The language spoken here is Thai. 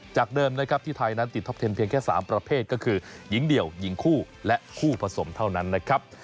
เดิมนะครับที่ไทยนั้นติดท็อปเทนเพียงแค่๓ประเภทก็คือหญิงเดี่ยวหญิงคู่และคู่ผสมเท่านั้นนะครับ